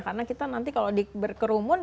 karena kita nanti kalau dikerumun